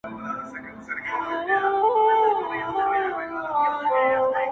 د قاضي په نصیحت کي ثمر نه وو!